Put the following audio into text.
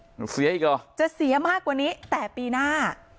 เสียอีกเหรอจะเสียมากกว่านี้แต่ปีหน้า